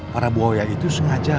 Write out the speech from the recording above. para buaya itu sengaja